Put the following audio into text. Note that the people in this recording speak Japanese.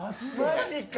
マジか！